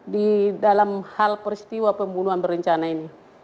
di dalam hal peristiwa pembunuhan berencana ini